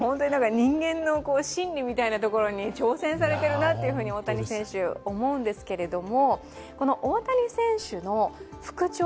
人間の心理みたいなところに挑戦されているなと大谷選手、思うんですけれども。